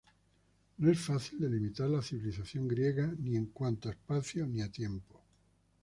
No es fácil delimitar la civilización griega ni en cuanto a espacio ni tiempo.